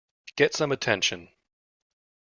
Get some attention.